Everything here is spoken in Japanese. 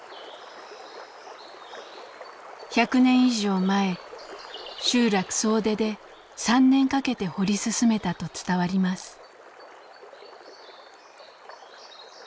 １００年以上前集落総出で３年かけて掘り進めたと伝わります。